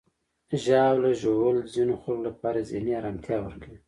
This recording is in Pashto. ژاوله ژوول د ځینو خلکو لپاره ذهني آرامتیا ورکوي.